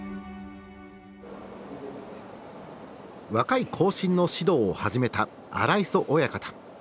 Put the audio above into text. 若い後進の指導を始めた荒磯親方。